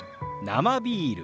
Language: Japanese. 「生ビール」。